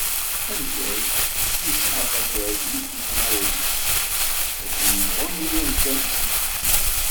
Amyag yesεa anagar yiwet n twuri, akken yebγu yili umkan-is deg tefyirt.